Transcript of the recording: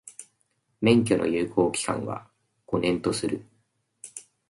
免許の有効期間は、五年とする。